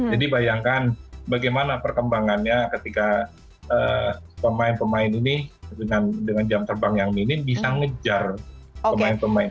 jadi bayangkan bagaimana perkembangannya ketika pemain pemain ini dengan jam terbang yang minim bisa ngejar pemain pemain